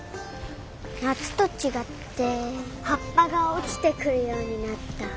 なつとちがってはっぱがおちてくるようになった。